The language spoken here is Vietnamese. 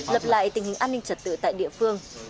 lập lại tình hình an ninh trật tự tại địa phương